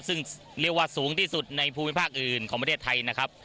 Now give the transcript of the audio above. ซึ่งเรียกว่าสูงที่สุดในภูมิภาคอื่นของประเทศไทยนะครับ